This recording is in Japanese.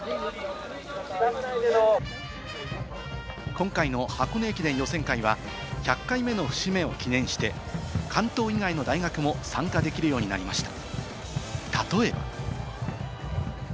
今回の箱根駅伝予選会は１００回目の節目を記念して、関東以外の大学も参加できるようになりました。